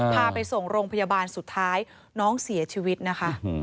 พาไปส่งโรงพยาบาลสุดท้ายน้องเสียชีวิตนะคะ